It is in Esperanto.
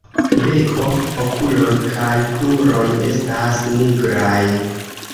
Beko, okuloj kaj kruroj estas nigraj.